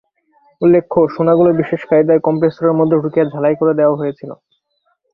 উল্লেখ্য, সোনাগুলো বিশেষ কায়দায় কমপ্রেসরের মধ্যে ঢুকিয়ে ঝালাই করে দেওয়া হয়েছিল।